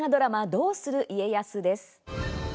「どうする家康」です。